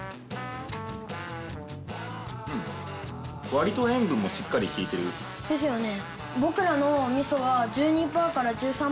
割と塩分もしっかり利いてる。ですよね。